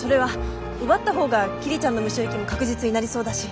奪った方が桐ちゃんのムショ行きも確実になりそうだし。